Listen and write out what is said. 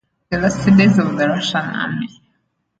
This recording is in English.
The Last Days of the Russian Army.